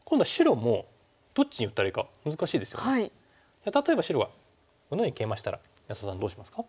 じゃあ例えば白がこのようにケイマしたら安田さんどうしますか？